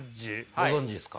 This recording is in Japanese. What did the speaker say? ご存じですか？